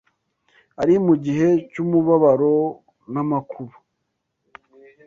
ari mu gihe cy’umubabaro n’amakuba,